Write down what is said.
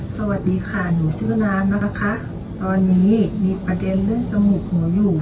สวัสดีค่ะหนูชื่อน้ำนะคะตอนนี้มีประเด็นเรื่องจมูกหนูอยู่